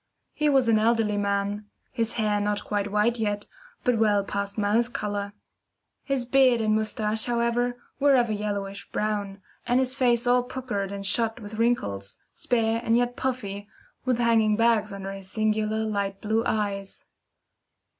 He was an elderly man his hair not quite white yet, but well past mouse colour. His beard and moustache, however, were of a yellowish brown, and his face all puckered and shot with wrinkles, spare and yet puffy, with hanging bags under his singular light blue eyes.